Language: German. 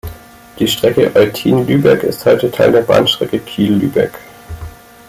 Die Strecke Eutin–Lübeck ist heute Teil der Bahnstrecke Kiel–Lübeck.